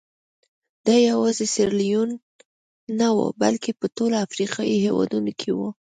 دا یوازې سیریلیون نه وو بلکې په ټولو افریقایي هېوادونو کې وو.